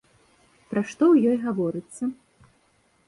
Пра што ў ёй гаворыцца?